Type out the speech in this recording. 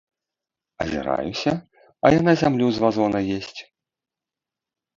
Азіраюся, а яна зямлю з вазона есць!